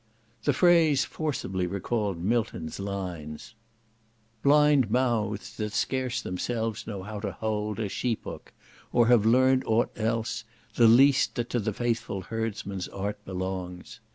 The phrase forcibly recalled Milton's lines— "Blind mouths! that scarce themselves know how to hold A sheep hook, or have learned aught else, the least That to the faithful herdsman's art belongs!